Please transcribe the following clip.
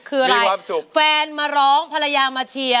คืออะไรแฟนมาร้องภรรยามาเชียร์